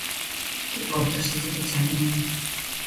Que portas se lle pecharían?